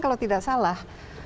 kalau tidak salah